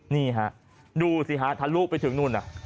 นี่ฮะดูสิฮะทะลุไปถึงนู่นน่ะ